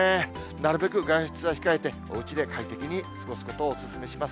なるべく外出は控えて、おうちで快適に過ごすことをお勧めします。